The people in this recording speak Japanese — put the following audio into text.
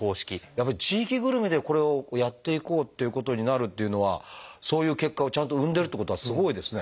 やっぱり地域ぐるみでこれをやっていこうっていうことになるっていうのはそういう結果をちゃんと生んでるっていうことはすごいですね。